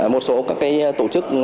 một số các tổ chức